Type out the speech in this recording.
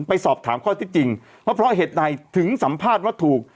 ไปสอบถามข้อที่จริงว่าเพราะเหตุใดถึงสัมภาษณ์ว่าถูก